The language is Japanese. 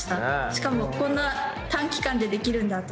しかもこんな短期間でできるんだと思って。